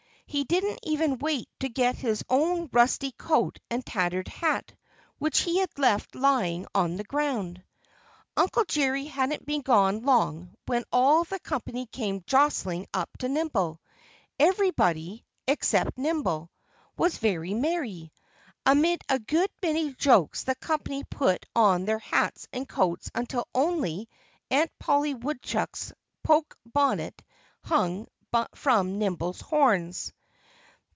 He didn't even wait to get his own rusty coat and tattered hat, which he had left lying on the ground. Uncle Jerry hadn't been gone long when all the company came jostling up to Nimble. Everybody except Nimble was very merry. Amid a good many jokes the company put on their hats and coats, until only Aunt Polly Woodchuck's poke bonnet hung from Nimble's horns.